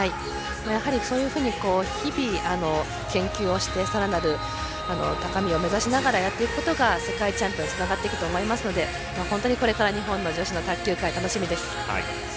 そういうふうに日々、研究をしてさらなる高みを目指しながらやっていくことが世界チャンピオンにつながっていくと思いますので本当に、これから日本の女子の卓球界楽しみです。